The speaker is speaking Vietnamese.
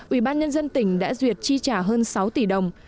ủy ban nhân dân tỉnh đã duyệt chi trả hơn sáu tỷ đồng